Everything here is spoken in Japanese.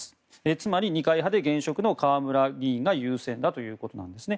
つまり二階派で現職の河村議員が優先だということなんですね。